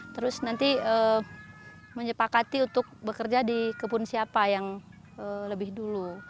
terus nanti menyepakati untuk bekerja di kebun siapa yang lebih dulu